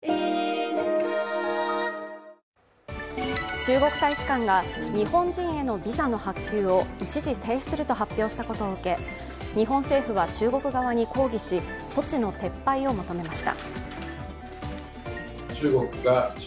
中国大使館が日本人へのビザの発給を一時停止すると発表したことを受け日本政府は中国側に抗議し措置の撤廃を求めました。